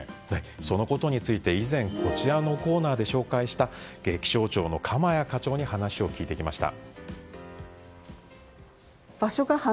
そのことについて、以前こちらのコーナーで紹介した気象庁の鎌谷課長に話を聞いてきました。